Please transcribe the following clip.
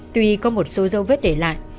tuy có một số dấu vết để lại